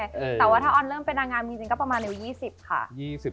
แต่ว่าถ้าออนเริ่มเป็นนางงามจริงก็ประมาณเร็ว๒๐ค่ะ